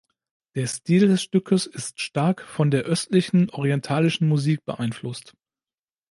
Der Stil des Stückes ist stark von der östlichen, orientalischen Musik beeinflusst.